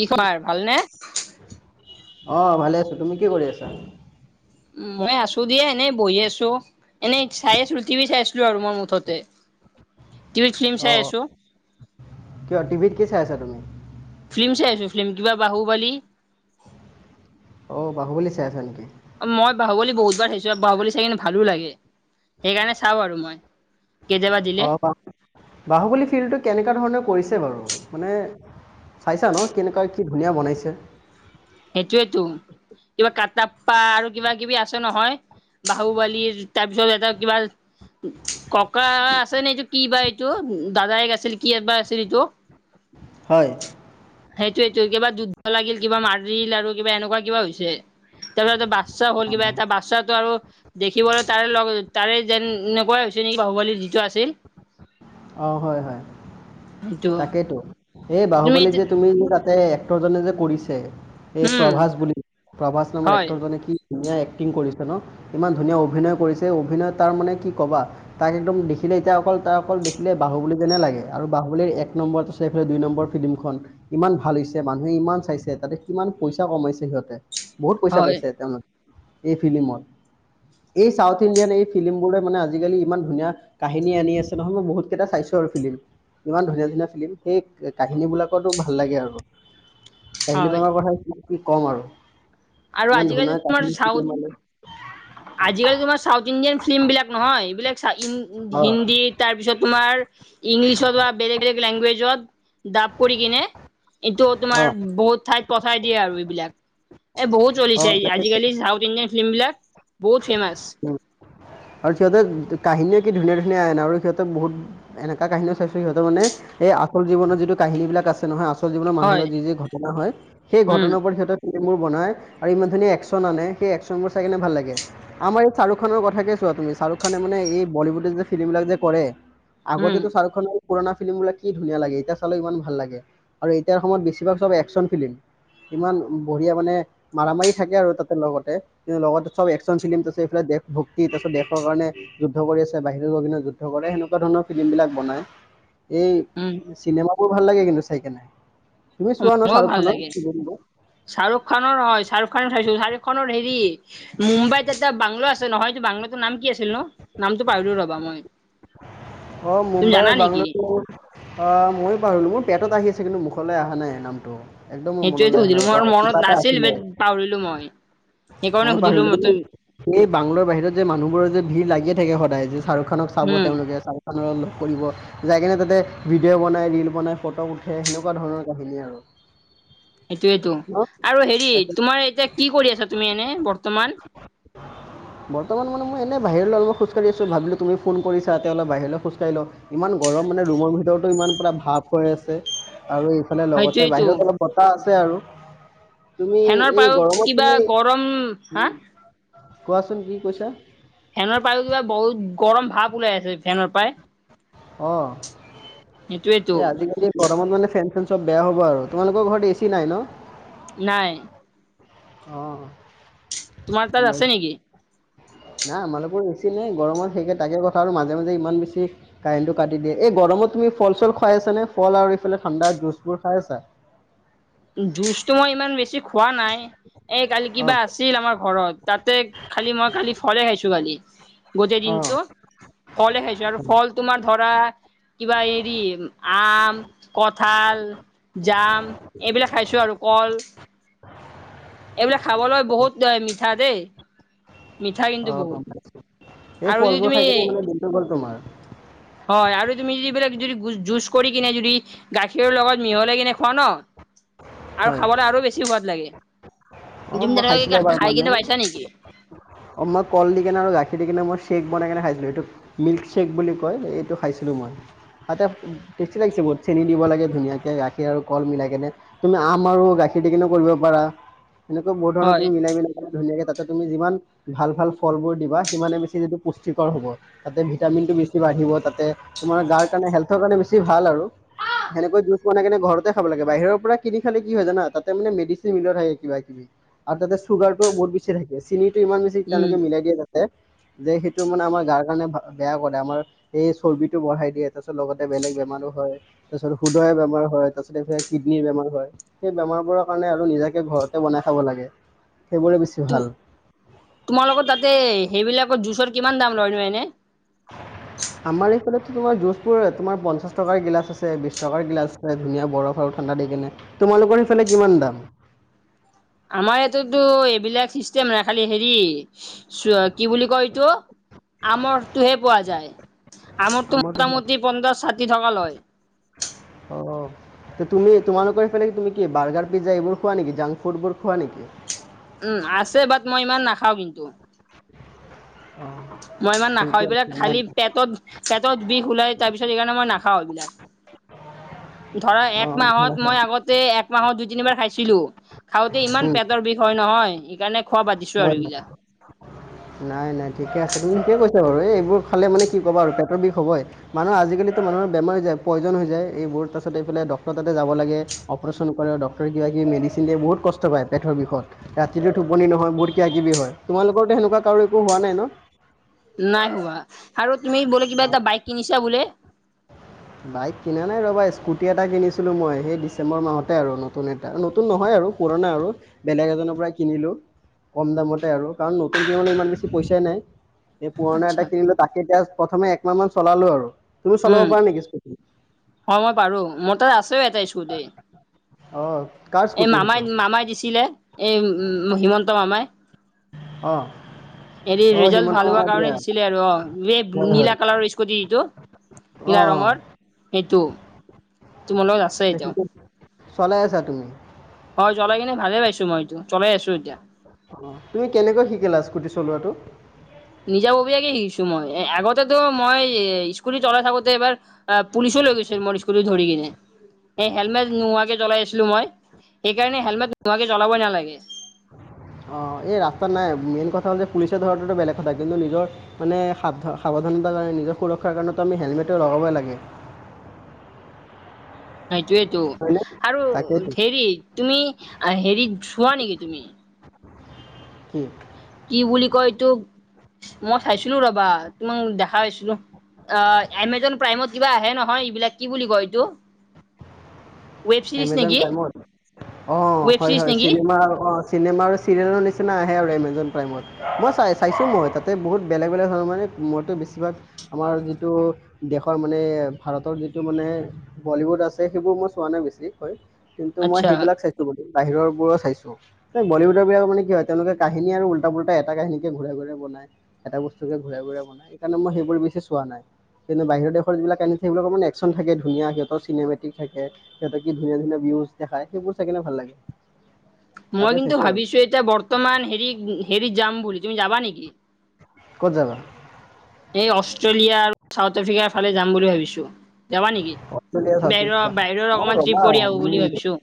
কি খবৰ ভালনে? অ ভালে আছো, তুমি কি কৰি আছা? উম মই আছো দিয়ে এনেই বহি আছো এনেই চাই আছো টিবি চাই আছিলো আৰু মই মুঠতে টিভিত ফিল্ম চাই অঁ আছো। কিয় টিভিত কি চাই আছা তুমি? ফিল্ম চাই আছো ফিল্ম কিবা বাহু বালী। অহ বাহুবলি চাই আছা নেকি? মই বাহুবলী বহুতবাৰ চাইছোঁ বাহুবলী চাই কিনে ভালো লাগে সেইকাৰণে চাওঁ আৰু মই। কেতিয়াবা দিলে অ বাহুবলী ফিল্ডটো কেনেকুৱা ধৰণে কৰিছে বাৰু মানে- চাইছা ন কেনেকুৱা কি ধুনীয়া বনাইছে। সেইটোৱেতো, কিবা কটাপ্পা আৰু কিবা কিবি আছে নহয় বাহুবলি তাৰ পিছত এটা কিবা? ককা আছে নে এইটো কি বা এইটো দাদাই আছিল কি বা আছিল এইটো? হয়। সেইটোইটো কিবা যুদ্ধ লাগিল কিবা মাৰিল আৰু কিবা এনেকুৱা কিবা হৈছে। তেওঁতত বাচ্ছা হ'ল কিবা এটা বাচ্ছা আৰু। দেখিবলৈ তাৰে লগ তাৰে যেন এনেকুৱাই হৈছে নেকি বাহুবালী যিটো আছিল। অ হয় হয় সেইটো তাকেইতো এই বাহুবলী যে তুমি যে তাতে এক্টৰজনে যে কৰিছে এই উম প্ৰভাজ বুলি, প্ৰভাজ নামৰ হয় এক্টৰজনে কি? ধুনীয়া এক্টিং কৰিছে ন, ইমান ধুনীয়া অভিনয় কৰিছে অভিনয় তাৰ মানে কি কবা। তাক একদম দেখিলে এতিয়া অকল তাৰ অকল। আছিলে বাহুবলী যেনে লাগে আৰু বাহুলীৰ এক নম্বৰত আছে এইফালে দুই নম্বৰ ফিল্মখন ইমান ভাল হৈছে মানুহে ইমান চাইছে তাতে কিমান পইচা কমাইছে সিহঁতে বহুত পইচা হয় পাইছে তেওঁলোক। এই ফিল্মত এই চাউথ ইণ্ডিয়ান এই ফিল্ম বোৰে মানে আজিকালি ইমান ধুনীয়া কাহিনী আনি আছে নহয় মই বহুত কেইটা চাইছো আৰু ফিলিম ইমান ধুনীয়া ধুনীয়া ফিল্ম সেই কাহিনীবিলাকতো ভাল লাগে আৰু। হয় কাহিলীপাৰা কথা কি কি কম আৰু। আৰু ইমান ধুনীয়া আজিকালি তোমাৰ কাহিনী ফিল্ম চাউথ মানে আজিকালি তোমাৰ চাউথ ইণ্ডিয়ান ফিল্ম বিলাক নহয় এইবিলাক অঁ হিন্দীত তাৰ পিছত তোমাৰ ইংলিছত বা বেলেগ বেলেগ লেংগুৱেজত ডাব কৰি কিনে এইটো তোমাৰ অঁ বহুত ঠাইত পঠাই দিয়ে আৰু এইবিলাক। এ বহুত অঁ চলিছে তাকেতো আজিকালি চাউথ ইণ্ডিয়ান ফিল্ম বিলাক বহুত ফেমাচ আৰু সিহঁতে কাহিনী কি ধুনীয়া ধুনীয়া আন আৰু সিহঁতক বহুত এনেকা কাহিনীও চাইছো সিহঁতৰ মানে আচল জীৱনৰ যিটো কাহিনী বিলাক আছে নহয় আচ- যিবিলাক মানুহৰ হয় যি যি ঘটনা হয় সেই উম ঘটনাবোৰ সিহঁতে মোৰ বনাই আৰু ইমান ধুনীয়া একশ্যন আনে সেই একশ্যনবোৰ চাই কিনে ভাল লাগে। আমাৰ এই শ্বাহৰুখানৰ কথা কে ছোৱা তুমি শাহৰুখ খানে মানে এই বলিউডৰ যে ফিল্মবিলাক যে কৰে উম আগতেতো শ্বাহৰুখ খানৰ পুৰণা ফিল্মবিলাক কি ধুনীয়া লাগে এতিয়া চালে ইমান ভাল লাগে আৰু এতিয়াৰ সময়ত বেছিভাগ চব একশ্যন ফিল্ম। ইমান বঢ়িয়া মানে মাৰ মাৰি থাকে আৰু তাতে লগতে কিন্তু লগতে চব একশ্যন ফিল্ম ত আছে এইফালে দেশ ভক্তি তাৰপিছত দেশৰ কাৰণে যুদ্ধ কৰি আছে বাহিৰৰ গিনত যুদ্ধ কৰে সেনেকুৱা ধৰণৰ ফিল্ম বিলাক বনাই এই উম চিনেমাবোৰ ভাল লাগে কিন্তু চাই কিনে। ময়ো ভাল লাগে শ্বাহৰুখ খানৰ হয় শ্বাহৰুখ খানৰ চাইছো শ্বাহৰুখ খানৰ হেৰি মুম্বাইত এটা বাংল আছে নহয়টো বাংলটোৰ নাম কি আছিল ন নামতটো পাৰলো ৰ'বা মই। অ তুমি মুম্বাই জানা নেকি বাংলোৰ আহ ময়ো পাহলো মোৰ পেটত আহি আছে কিন্তু মুখলৈ অহা নাই নামটো। একদম মোৰ সেইটোৱে মনলৈ অহা নাই সুধিলো ৰ'বা মোৰ কিবা মনত এটা নাছিল আছিলে বেত পাহৰিলো মই। সেইকাৰণে ময়ো সুধিলো পাহৰিলোঁ ম কিন্তু তুই এই বাংলৰ বাহিৰত যে মানুহবোৰৰ যে ভিৰ লাগিয়ে থাকে সদায় যে শাহৰুখ খানক চাব উম তেওঁলোকে চা- খনৰক লগ কৰিব। যাই কেনে তাতে ভিডিঅ' বনাই ৰিল বনাই ফটো উঠে সেনেকুৱা ধৰণৰ কাহিনী আৰু। এইটোৱেটো ন আৰু হেৰি তাকে তোমাৰ এতিয়া কি কৰি আছা তুমি এনে বৰ্তমান? বৰ্তমান মানে মই এনেই বাহিৰলৈ অলপমান খোজকাঢ়ি আছোঁ ভাবিলোঁ তুমি ফোন কৰিছা ততি অলপ বাহিৰলৈ খোজ কাঢ়ি ল ইমান গৰম মানে ৰুমৰ ভিতৰতো ইমান পূৰা ভাৱ হৈ আছে। আৰু এইফালে লগতে সেইটোৱেতো বাহিৰত অলপ বতাহ আছে আৰু। তুমি ফেনৰ এই পায়ো গৰমত কিবা তুমি গৰম হা কোৱাচোন কি কৈছা? ফেনৰ পায়ো কিবা বহুত গৰম ভাপ ওলাই আছে ফেনৰ পায়। অ সেইটোৱেতো এই আজিকালি গৰমত মানে ফেন চেন চব বেয়া হ'ব আৰু তোমালোকৰ ঘৰত এ চি নাই ন। নাই। অ। তোমাৰ তাত আছে নেকি? নাই মানুহবোৰ এছি নে গৰমত সেইকে তাকে কথা আৰু মাজে মাজে ইমান বেছি কাৰেণ্টটো কাটি দিয়ে, এই গৰমত তুমি ফল-চল খাই আছা নে, ফল আৰু এইফালে ঠাণ্ডা জুচবোৰ খাই আছা? জুচটো মই ইমান বেছি খোৱা নাই এই কালি অঁ কিবা আছিল আমাৰ ঘৰত, তাতে খালি মই কালি ফলে খাইছো কালি। গোটেই অঁ দিনটো ফলে খাইছো আৰু ফল তোমাৰ ধৰা। কিবা এৰি আম, কঁঠাল, জাম এইবিলাক খাইছো আৰু কল এইবিলাক খাবলৈ বহুত মিঠা দেই। মিঠা কিন্তু অঁ গম বহুত পাইছোঁ এই আৰু যদি ফলবোৰ তুমি খাই কিনে মানে দিনটো গ'ল তোমাৰ। হয় আৰু তুমি যদি এইবিলাক যদি গোচ-জুচ কৰি কিনে যদি গাখীৰ লগত মিহলাই কিনে খুৱাও ন? আৰু হয় খাবলৈ আৰু বেছি সোৱাদ লাগে, অঁ তুমি তেনেকে খাই কিনে পাইছা নেকি? অ' মই কল দি কেনে আৰু গাখীৰ দি কিনে মই চেক বনাই কেনে খাইছিলো এইটোক। মিল্কশ্বেক বুলি কয়, এইটো খাইছিলোঁ মই। তাতে টেষ্টি লাগিছে বহুত চেনি দিব লাগে ধুনীয়াকে, গাখীৰ আৰু কল মিলাই কেনে তুমি আম আৰু গাখীৰ দি কিনে কৰিব পাৰা, সেনেকা বহুত ধৰণৰ হয় তুমি মিলাই-মিলাই ধুনীয়াকে তাতে তুমি যিমান ভাল ভাল ফল বোৰ দিবা, সিমানে বেছি যিটো পুষ্টিকৰ হ'ব। তাতে ভিটামিনটো বেছি বাঢ়িব ত তোমাৰ গাৰ কাৰণে, হেল্থৰ কাৰণে বেছি ভাল আৰু, সেনেকৈ জুচ বনাই কেনে ঘৰতে খাব লাগে। বাহিৰৰ কিনি খালে কি হয় জানা তাতে মে মেডিচিন মিলোৱা থাকে কিবা কিবি আৰু তাতে চুগাৰ টো বহুত বেছ চি থাকে, চিনিটো ইমান বেছি উম তেওঁলোকে মিলাই দিয়া যা যে, সেইটো মানে আমাৰ গাৰ কাৰণে বেয়া কৰে, আমাৰ এই চৰ্বিটো বঢ়াই দিয়ে, তাৰ পিছত লগতে বেলেগ বেমাৰো হয়। তাৰপিছত সুদোৱাই বেমাৰ হয়, তাৰপিছত এই কি কিডনিৰ বেমাৰ হয়, সেই বেমাৰবোৰৰ কাৰণে আৰু নিজাকে ঘৰতে বনাই খাব লাগে, সেইবোৰে বেছি ভাল তোম-তোমাৰ লগত তাতে সেইবিলাকৰ জুচৰ কিমান দাম লয়নো এনে? [unintelligible] আমাৰ এইফালতো তোমাৰ জুচবোৰ তোমাৰ পঞ্চাছ টকাৰ গিলাচ আছে, বিশছ টকাৰ গিলাচ আছে ধুনীয়া বৰফ আৰু ঠাণ্ডা দি কেনে, তোমালোকৰ সেফালে কিমান দাম? আমাৰ ইটোতোতো এইবিলাক চিষ্টেম নাই খালি হেৰি কি বুলি কয় এইটো, আমৰটোহে পোৱা যায়। আমৰতো আমাৰতো মোটামুটি পঞ্চাশ-ষাঠি টকা লয়। অঁ। তুমি তোমালোকৰ সফালে তুমি কি বাৰ্গাৰ-পিজ্জা এইবোৰ খোৱা নেকি, জাং ফুডবোৰ খোৱা নেকি? উম, আছে বাট মই ইমান নাখাওঁ কিন্তু। অঁ। মই ইমান নাখাওঁ, ঠিকে এইবিলাক আছে নাই খালী পেটত-পেটত বিষ ওলাই তাৰপিছত সকাৰণে মই নাখাওঁ এইবিলাক। হয়। [unintelligible] ধৰা এক অঁ মাহত মই হয় আগত তে একমাহত দুই তিনিবাৰ খাইছিলো, খাওঁতে ইমান উম, পেটৰ বিষ হয় নহয় সেইকাৰণে খোৱা বাদ দিছো আৰু হয়। এইগিলা নাই নাই ঠিকে আছে, তুমি ঠিকে কৈছা বাৰু এই এইবোৰ খালে মানে কি কবা আৰু পেটৰ বিষ হ'বয়। মানুহ আজিকালিতো মানুহৰ বেমাৰ হৈ যায়, প্ৰয়োজন হৈ যায়, এইবোৰ তাৰপছত এইফালে ডক্টৰ তাতে যাব লাগে। অপাৰেচন কৰে, ডাক্তৰে কিবা কিব মেডিচিন দিয়ে, বহুত কষ্ট পায় পেটৰ বিষত ৰাতিটোট টোপনি নহয়, বহুত কিবা কিবি হয়, তোমালোকৰতে তেনেকুৱা একো হোৱা নাই ন? নাই হোৱা আৰু তুমি বোলে কিবা এটা বাইক কিনিছা বোলে? বাইক কিনা নাই ৰ'বা স্কুটি এটা কিনিছিলোঁ মই সেই ডিচেম্বৰ মাহতে আৰু নতুন এ নতুন নহয় আৰু পুৰণা আৰু বেলেগ এজনৰ পৰা কিনিলোঁ, কম দামতে আৰু কাৰণ নতুন কিনলৈ ইমান বেছি পইচাই নাই, এই পুৰণা আচ্ছা এটা কিনিলোঁ তাকে এতিয়া প্ৰথমে একমাহ মান চলালো আৰু তুমি উম চলাব পাৰা নেকি স্কুতি? হয় মই পাৰো, মোৰ তাত আছ এটা স্কুটি। অফ এই মামাই -মামাই দিছিলে এই হিমন্ত মামাই। অহ ', হৰি ৰিজাল্ট ভাল হোৱা কাৰণে দিছিলে আৰু অ এই হয় হয় নীলা কালাৰৰ স্কুটি টো, নীলা অঁ অঁ ৰঙৰ সেইটো, তোমাৰ লগত আছ [unintelligible] চলাই আছা তুমি? হয় চলাই কিনে ভালে পাইছোঁ মই এইটো চলাই আছো এতিয়া। তুমি কেনেকৈ শিকিলা স্কুটি চলোৱাটো? নিজাববীয়াকে শিকিছো মই আগতেতো মই স্কুটি চলাই থাকোঁতে এবাৰ আহ, পুলিচো লৈ গৈছে মোৰ স্কুটি ধৰি কিনে। এ হেলমেট নোহোৱাকে চলাই আছিলো মই সেইকাৰণে হেলমেট নোহোৱাকে চলাবই নালাগে। অ, এই ৰাস্তাত নাই মেইন কথা হ'ল যে পুলিচে ধৰাটোটো বেলেগ কথা কিন্তু নিজৰ মানে সাধ- সাৱধানতাৰ কাৰণে নিজৰ সুৰক্ষাৰ কাৰণেতো আমি হেলমেটটো লগাবই লাগে। সেইটোয়েতো হয়নে আৰু তাকেইতো হেৰি তুমি হেৰিত চোৱা নেকি তুমি? কি? কি বুলি কয় এই তোক মই চাইছিলোঁ ৰবা তোমাক দেখাই আছলোঁ। অ, এমেজন প্ৰাইমত কিবা আহে নহয় এইবিলাক কি বুলি কয় এইটো? ৱেব চিৰিজ এমেজন নেকি প্ৰাইমত অ, ৱেব হয় চিৰিজ -হয় নেকি চিনেমা [unintelligible] চিনেমা আৰু চিৰিয়েলৰ নিচিনা আহে আৰু এমেজন প্ৰাইমত মই চাই চাইছোঁ মই তাতে বহুত বেলেগ -বেলেগ ধৰণ মানে মইতো বেছিভাগ আমাৰ যিটো দেশৰ মানে ভাৰতৰ যিটো মানে বলীউড আছে সেইবোৰ মই চোৱা নাই বেছি হয় কিন্তু মই আচ্ছা সেইবিলাক চাইছোঁ বুলি বাহিৰৰ বোৰো চাইছোঁ। [unintelligible] বলিউদৰ বিলাক মানে কি হয় তেওঁলোকে কাহিনী আৰু উল্টা- পুল্টা এটা কাহিনী কে ঘূৰাই -ঘূৰাই বনায়। এটা বস্তুকে ঘূৰাই- ঘূৰাই বনাই সেকাৰণে মই সেইবোৰ বেছি চোৱা নাই। কিন্তু বাহিৰৰ দেশৰ যিবিলাক কাহিনী থাকে সেইবিলাকৰ মানে একচন থাকে ধুনীয়া সিহতৰ চিনেমেটিক থাকে। সিহতৰ কি ধুনীয়া -ধুনীয়া ভিউজ দেখায় সেইবোৰ চাইকেনে ভাল লাগে। মই তাকে কিন্তু চাইছোঁ আৰু ভাবিছোঁ এতিয়া বৰ্তমান হেৰি- হেৰিত যাম বুলি তুমি যাবা নেকি? ক'ত যাবা? এই অষ্ট্ৰেলিয়া আৰু চাউথ আফ্ৰিকাৰ ফালে যাম বুলি ভাবিছোঁ। যাবা নেকি অষ্ট্ৰেলিয়া চাউথ বেৰোৱা আফ্ৰিকা বাহিৰৰ অঁ অকমান ট্ৰিপ কৰি আহোঁ বুলি ভাবিছোঁ।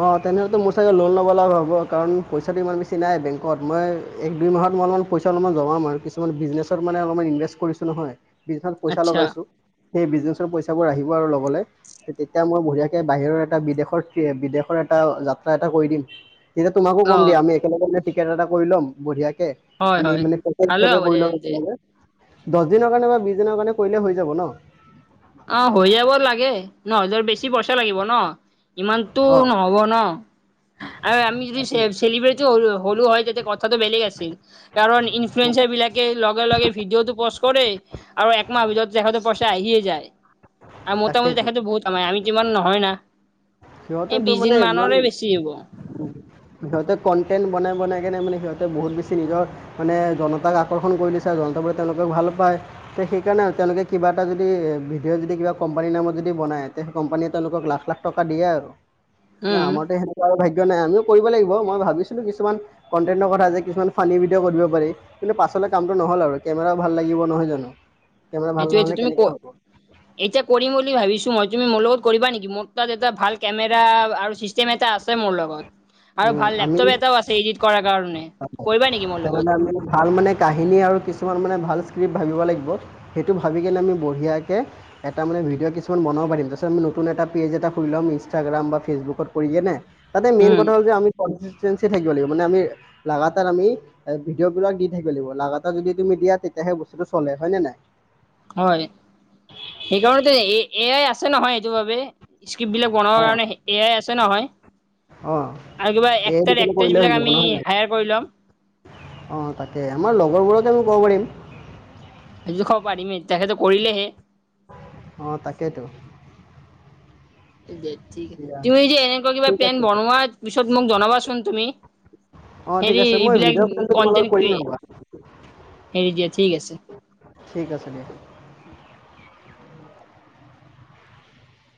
অ, তেনেহ'লেতো মোৰ চাগে লোন ল'ব লগা হ'ব কাৰণ পইচাটো ইমান বেছি নাই বেংকত মই এক, দুই মাহত মই অলমান পইচা অলমান জমাম আৰ কিছুমান বিজনেছত মানে অলমান ইনভেষ্ট কৰিছো নহয়। বি [unintelligible] পইচা আচ্ছা লগাইছোঁ। সেই বিজনেচৰ পইচা বোৰ আহিব আৰু লগলে হে তেতিয়া মই বঢ়িয়াকে বাহিৰৰ এটা বিদেশৰ ট্ৰী বিদেশৰ এটা যাত্ৰা এটা কৰি দিম তেতিয়া তোমাকো অ কম দিয়া আমি একেলগেে টিকেট এটা কৰি ল'ম বঢ়িয়াকে হয় আমি হয়। মানে পেকেজ ভালে হিচাপে হ'ব দে কৰি ল'ম তেন্তে একেলগে। দছ দিনৰ কাৰণে বা বিছ দিনৰ কাৰণে কৰিলে হৈ যাব ন'? অ, হৈ যাব লাগে ন'বেছি পছাঁ লাগিব ন'? ইমানতো অঁ নহ'ব ন' আৰু আমি যদি চেব চেলিব্ৰট [unintelligible] হলোঁ হয় তেতিয়া কথাটো বেলেগ আছিল। কাৰণ ইনফ্লুৱয়েন্ঞ্চাৰ বিলাকে লগে-লগে ভিডিঅটো পচ কৰে আৰু একমাহৰ ভিতৰত যেখতে পইচা আহিয়ে যায়। আৰু মোটামুটি তাকেইতো তেখেতো বহুত কামাই আমিটো ইমান নহয় না। এ বিছদিন মানৰে বেছি হ'ব। উম, সিহঁতে কণ্টেণ্ট বনাই -বনাই কিনে মানে সিহঁতে বহুত বেছি নিজৰ মানে জনতাক আকৰ্ষণ কৰি দিছে আৰু জনতাাবোৰে তেওঁলোকক ভাল পায়। তে সেইকাৰণে তেওঁলোকে কিবা এটা যদি সেই সেইকানে তেওঁ লোকে কিবা এটা যদি ভিডিঅ' যদি কোম্পানীৰ নামত যদি বনায় তে কোম্পানীয়ে তেওঁলোকক লাখ -লাখ টকা বা দিয়ে আৰু উম আমাৰটো সেনেকুৱা আৰু ভাগ্য নাই আমিও কৰিব লাগিব মই ভাবিছিলো কিছুমান কণ্টেন নকৰা যে কিছুমান ফানী ভিডিঅ' কৰিব পাৰি। কিন্তু পাছলে কামটো নহ'ল আৰু কেমেৰাও ভাল লাগিব নহয় জানো। কেমেৰা ভাল সেইটোৱে নহ'লে টো তুমি কেনেকৈ ক [inaudible] এতিয়া কৰিম বুলি ভাবিছো মই তুমি মোৰ লগত কৰিবা নেকি মোৰ তাত এটা ভাল কেমেৰা আৰু ছিছ- ছেম এটা আছে মোৰ লগত আৰু উম, ভাল আমি লেপটপ এটাও আছে ইদিদ কৰাৰ কাৰণে কৰিবা নেকি? মোৰ লগত [unintelligible] ভাল মানে কাহিনী আৰু কিছুমান মানে ভাল স্ক্ৰিপ ভাবিব লাগিব সেইটো ভাবিকেনে আমি বঢ়িয়াকে এটা মানে ভিডিঅ কিছুমান বনাব পাৰিম তাৰপিছত আমি নতুন এটা পেজ এটা খুলি লম ইনষ্টাগ্ৰাম বা ফেচবুকত কৰিকেনে তাতে মেইন উম কথা হল যে আমি কনচেচতেনঞ্চি থাকিব লাগিব মানে আমি লাগাতাৰ আমি ভিডিঅ' বিলাক দি থাকিলেও লাগাতাৰ যদি তুমি দিয়া তেতিয়াহে বস্তুটো চলে হয় নে নাই হয় সেইকাৰণতে এ এ আই আছে নহয় এইটো বাবে ইস্কিৰিপবিলাক বনাবৰ অঁ কাৰণে এ আই আছে নহয় অঁ আৰু কিবা এই এক্টাৰ দুটাকে এক্ট্ৰেছ কৰিলে বিলাক আমি হায়াৰ কৰি লম অ তাকে আমাৰ লগৰবোৰকে আমি ক'ব পাৰিম। যোখ পাৰিমেই তেখেতে কৰিলেহে। অ তাকেতো দে ঠিক দিয়া তুমি যে এনেকুৱা কিবা ঠিক প্লেন আছে বনোৱাৰ পিছত মোক জনাবাচোন তুমি অঁ ঠিক হেৰি আছে মই এইবিলাক ভিডিঅ' কলটো তোমাৰ লগত কনটেন কৰিম ৰ'বা হেৰি দিয়া ঠিক আছে। ঠিক আছে দিয়া।